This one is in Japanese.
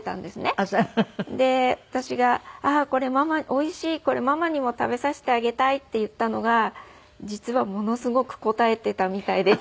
で私が「おいしいこれ」。「ママにも食べさせてあげたい」って言ったのが実はものすごくこたえていたみたいで父は。